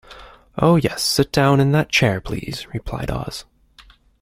"Oh, yes; sit down in that chair, please," replied Oz.